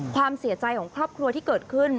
ความเสียใจของครอบครัวที่เกิดขึ้น